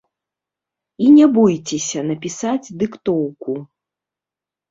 І не бойцеся напісаць дыктоўку.